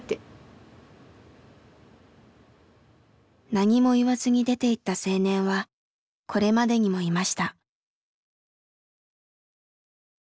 何も言わずに出ていった青年はこれまでにもいました。